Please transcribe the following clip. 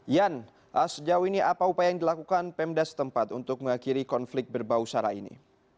yan sejauh ini apa upaya yang dilakukan pemdas tempat untuk mengakhiri konflik berbau sarah ini